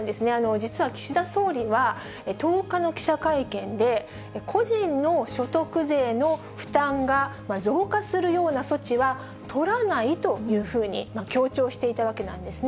実は岸田総理は、１０日の記者会見で、個人の所得税の負担が増加するような措置は取らないというふうに強調していたわけなんですね。